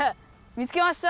見つけました！